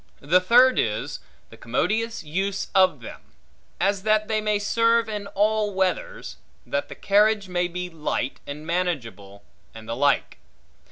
The third is, the commodious use of them; as that they may serve in all weathers; that the carriage may be light and manageable; and the like.